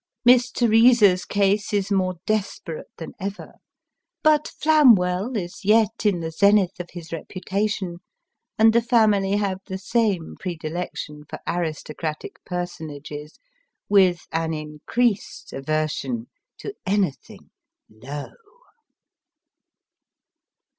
Miss Teresa's case is more desperate than ever ; but Flamwell is yet in the zenith of his reputa tion ; and the family have tho same predilection for aristocratic personages, with an increased aversion to anything low.